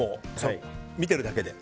見てるだけで。